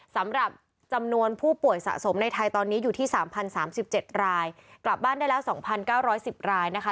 สำหรับจำนวนผู้ป่วยสะสมในไทยตอนนี้อยู่ที่๓๐๓๗รายกลับบ้านได้แล้ว๒๙๑๐รายนะคะ